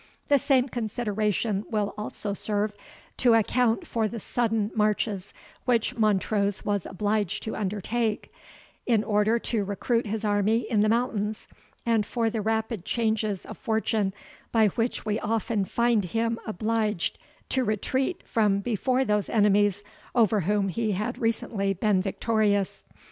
The same consideration will also serve to account for the sudden marches which Montrose was obliged to undertake, in order to recruit his army in the mountains, and for the rapid changes of fortune, by which we often find him obliged to retreat from before those enemies over whom he had recently been victorious.